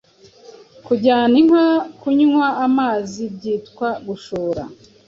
Kujyana inka kunywa amazi byitwa Gushora